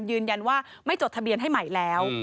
ยืนยันว่าไม่จดทะเบียนให้ใหม่แล้ว